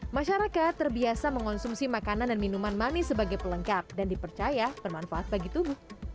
masyarakat terbiasa mengonsumsi makanan dan minuman manis sebagai pelengkap dan dipercaya bermanfaat bagi tubuh